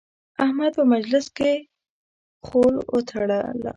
احمد په مجلس کې خول وتړله.